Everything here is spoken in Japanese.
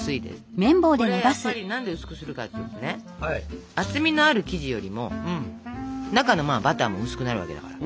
これやっぱり何で薄くするかっていうとね厚みのある生地よりも中のバターも薄くなるわけだから。